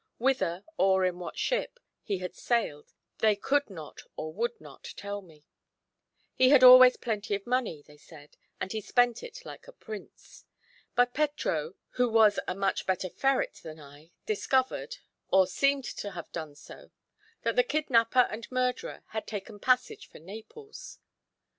Whither, or in what ship, he had sailed, they could not or would not tell me: he had always plenty of money, they said, and he spent it like a prince. But Petro, who was a much better ferret than I, discovered, or seemed to have done so, that the kidnapper and murderer had taken passage for Naples.